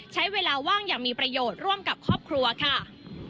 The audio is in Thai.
ใช้เวลาว่างอย่างมีประโยชน์ร่วมกับครอบครัวค่ะ